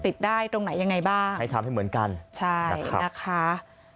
ติดได้ตรงไหนยังไงบ้างให้ทำให้เหมือนกันใช่นะคะ